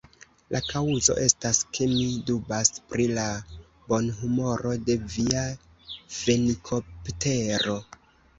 La kaŭzo estas, ke mi dubas pri la bonhumoro de via fenikoptero.